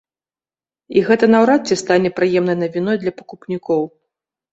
І гэта наўрад ці стане прыемнай навіной для пакупнікоў.